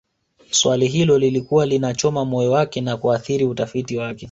Swali hilo lilikuwa linachoma moyo wake na kuathiri utafiti wake